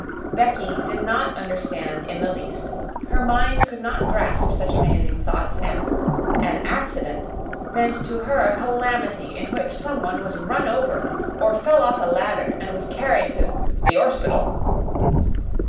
Becky did not understand in the least. Her mind could not grasp such amazing thoughts, and "an accident" meant to her a calamity in which some one was run over or fell off a ladder and was carried to "the 'orspital."